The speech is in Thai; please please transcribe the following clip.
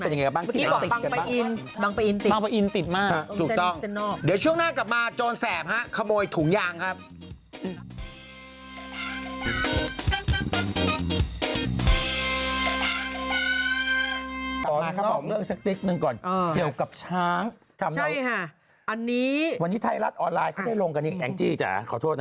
ซึ่งก็แบบคนไทยอยู่กันเยอะด้วยนะ